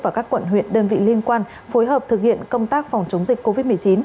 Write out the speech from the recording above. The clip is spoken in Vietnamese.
và các quận huyện đơn vị liên quan phối hợp thực hiện công tác phòng chống dịch covid một mươi chín